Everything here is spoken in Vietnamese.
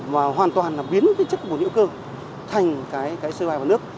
mà hoàn toàn biến chất bùn hữu cơ thành co hai và nước